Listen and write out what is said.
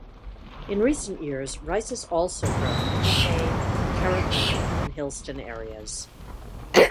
In recent years, rice is also grown in the Hay, Carrathool and Hillston areas.